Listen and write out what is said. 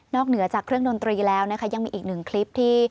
เหนือจากเครื่องดนตรีแล้วนะคะยังมีอีกหนึ่งคลิปที่